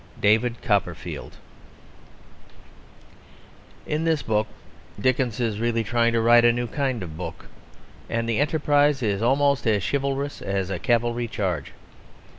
] DAVID COPPERFIELD In this book Dickens is really trying to write a new kind of book, and the enterprise is almost as chivalrous as a cavalry charge.